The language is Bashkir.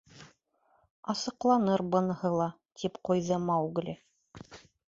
— Асыҡланыр быныһы ла, — тип ҡуйҙы Маугли.